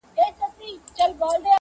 o موږ ګناه کار یو چي مو ستا منله,